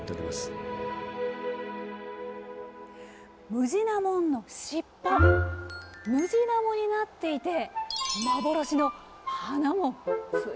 ムジナもんの尻尾ムジナモになっていて幻の花もついてるんですよ！